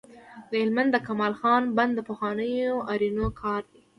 د هلمند د کمال خان بند د پخوانیو آرینو کار دی